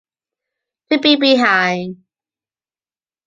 To be behind.